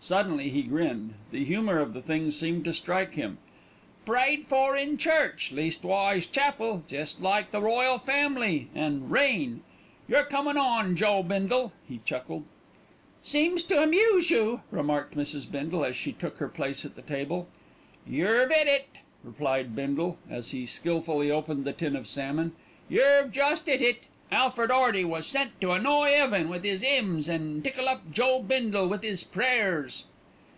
Suddenly he grinned; the humour of the thing seemed to strike him. "Prayed for in church leastwise chapel jest like the Royal Family an' rain. You're comin' on, Joe Bindle," he chuckled. "Seems to amuse you," remarked Mrs. Bindle as she took her place at the table. "Yer've 'it it," replied Bindle, as he skilfully opened the tin of salmon. "Yer've just 'it it. Alfred 'Earty was sent to annoy 'eaven with 'is 'ymns and tickle up Joe Bindle with 'is prayers."